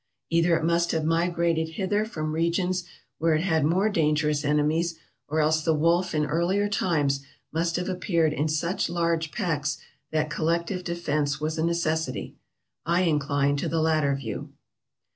Either it must have migrated hither from regions where it had more dangerous enemies, or else the wolf in earlier times must have appeared in such large packs that collective defence was a necessity. I incline to the latter view."